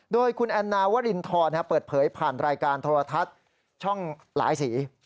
โดยคุณแอนนาวรินทรเปิดเผยผ่านรายการโทรทัศน์ช่องหลายสี